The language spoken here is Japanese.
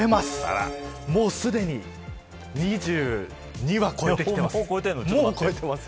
もうすでに２２は超えてきています。